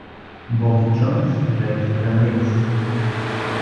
Bobby Jones played the links.